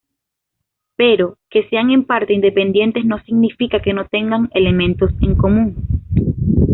Pero, que sean en parte independientes no significa que no tengan elementos en común.